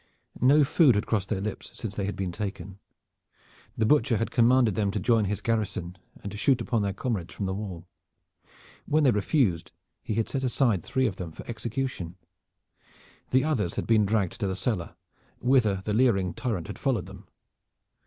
No food had crossed their lips since they had been taken. The Butcher had commanded them to join his garrison and to shoot upon their comrades from the wall. When they refused he had set aside three of them for execution. The others had been dragged to the cellar, whither the leering tyrant had followed them.